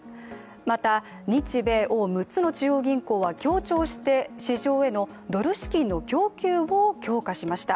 また、日米欧６つの中央銀行は協調して市場へのドル資金の供給を強化しました。